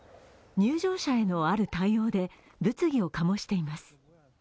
入場者へのある対応で物議を醸しています。